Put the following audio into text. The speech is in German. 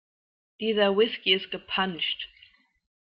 Dieser Whisky ist gepanscht.